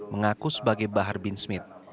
mengaku sebagai bahar bin smith